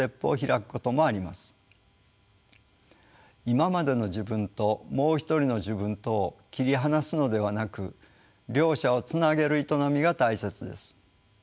「今までの自分」と「もう一人の自分」とを切り離すのではなく両者をつなげる営みが大切です。